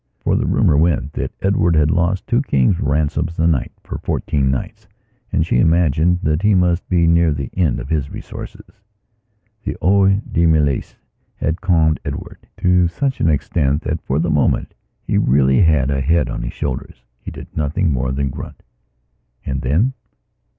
For the rumour went that Edward had lost two kings' ransoms a night for fourteen nights and she imagined that he must be near the end of his resources. The Eau de Mélisse had calmed Edward to such an extent that, for the moment, he really had a head on his shoulders. He did nothing more than grunt: "And then?"